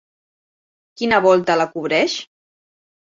Quina volta la cobreix?